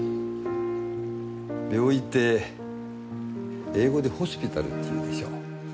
病院って英語でホスピタルっていうでしょ。